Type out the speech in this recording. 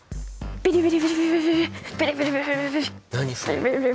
ビリビリ？